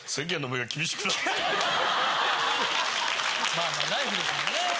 まぁまぁナイフですもんね。